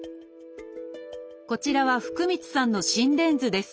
こちらは福満さんの心電図です。